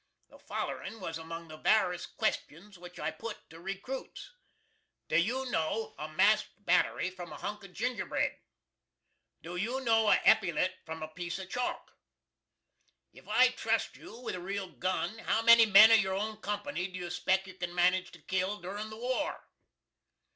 The follerin was among the varis questions which I put to recroots: Do you know a masked battery from a hunk of gingerbread? Do you know a eppylit from a piece of chalk? If I trust you with a real gun, how many men of your own company do you speck you can manage to kill durin the war?